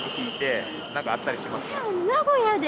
名古屋で。